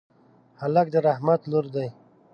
هلک د رحمت لور دی.